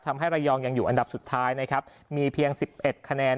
ทำให้ระยองยังอยู่อันดับสุดท้ายนะครับมีเพียง๑๑คะแนน